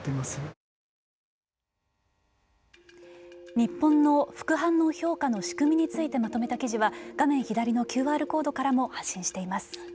日本の副反応評価の仕組みについてまとめた記事は画面左のＱＲコードからも発信しています。